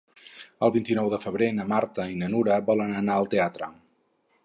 El vint-i-nou de febrer na Marta i na Nura volen anar al teatre.